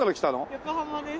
横浜です。